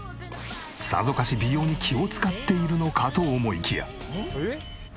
さぞかし美容に気を使っているのかと思いきや。